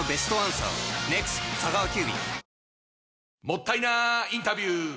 もったいなインタビュー！